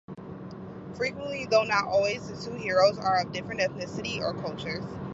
Frequently, although not always, the two heroes are of different ethnicity or cultures.